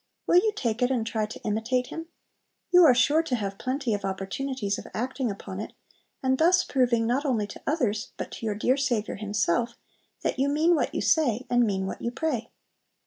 Will you take it, and try to imitate Him? You are sure to have plenty of opportunities of acting upon it, and thus proving not only to others, but to your dear Saviour Himself, that you mean what you say, and mean what you pray.